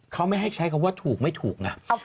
เขาไม่ให้ใช้คำว่าถูกไม่ถูกนะ